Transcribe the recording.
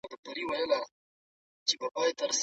باید نظري او واقعي پوښتنې یو له بل سره وصل سي.